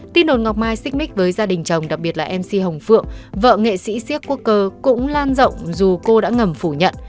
tin đồn ngọc mai xích mích với gia đình chồng đặc biệt là mc hồng phượng vợ nghệ sĩ siếc quốc cơ cũng lan rộng dù cô đã ngầm phủ nhận